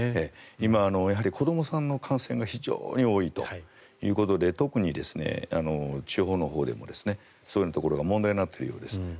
今、子どもさんの感染が非常に多いということで特に地方のほうでもそういうところが問題になっているようです。